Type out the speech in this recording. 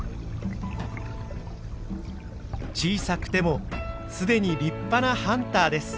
小さくてもすでに立派なハンターです。